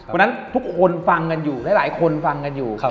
ทุกคนฟังกันอยู่หลายคนฟังกันอยู่